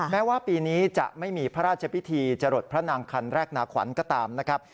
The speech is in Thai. แม้ว่าปีนี้จะไม่มีพระราชพิธีจรดพระนางคันแรกนาขวัญก็ตามนะครับ